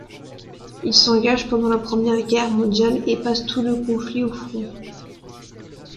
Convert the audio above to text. Il s'engage pendant la Première Guerre mondiale et passe tout le conflit au front.